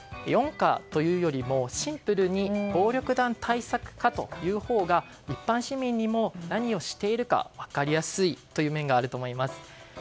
４課というよりも、シンプルに暴力団対策課というほうが一般市民にも何をしているか分かりやすいという面があると思います。